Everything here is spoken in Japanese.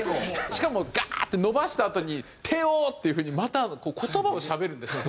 しかもガーッて伸ばしたあとに「手を」っていう風にまた言葉をしゃべるんですね